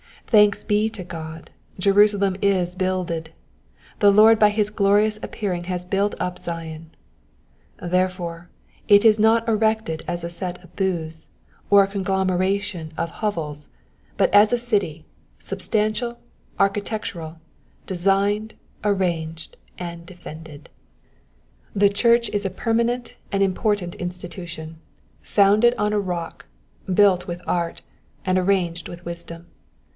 Thanks be to God, Jerusalem is builded : the Lord by his glorious appearing has built up Zion. Furthermore, it is not erected as a set of booths, or a conglomeration of Digitized by VjOOQIC 430 EXPOSITIONS OF THE PSALMS. hovels, but as a city, substantial, architectural, designed, arranged, and defended. The church is a permanent and important institution, founded on a rock, builded with art, and arranged with wisdom.